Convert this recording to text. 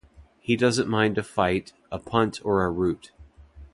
He doesn't mind a fight, a punt or a root.